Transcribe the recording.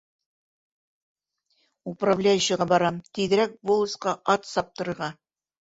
— Управляющийға барам, тиҙерәк волосҡа ат саптырырға...